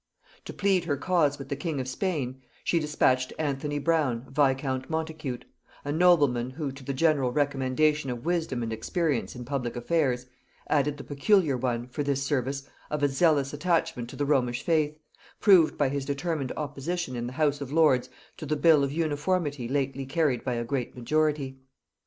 To plead her cause with the king of Spain, she dispatched Anthony Browne viscount Montacute; a nobleman who, to the general recommendation of wisdom and experience in public affairs, added the peculiar one, for this service, of a zealous attachment to the Romish faith, proved by his determined opposition in the house of lords to the bill of uniformity lately carried by a great majority.